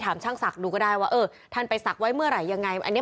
ช่างศักดิ์ดูก็ได้ว่าเออท่านไปศักดิ์ไว้เมื่อไหร่ยังไงอันนี้